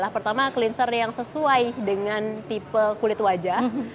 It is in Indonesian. pertama cleanser yang sesuai dengan tipe kulit wajah